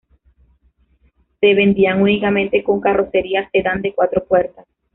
Se vendían únicamente con carrocería sedán de cuatro puertas.